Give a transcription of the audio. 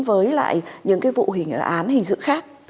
với lại những cái vụ hình án hình sự khác